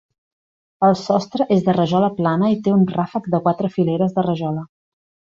El sostre és de rajola plana i té un ràfec de quatre fileres de rajola.